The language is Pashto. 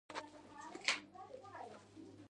د پادري خړ رنګه څېره یو دم له خوښۍ څخه وځلېدله.